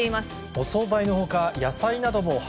お総菜のほか、野菜なども量